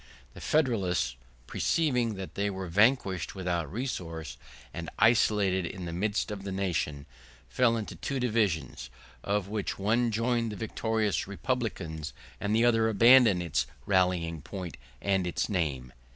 The Federalists, perceiving that they were vanquished without resource, and isolated in the midst of the nation, fell into two divisions, of which one joined the victorious Republicans, and the other abandoned its rallying point and its name.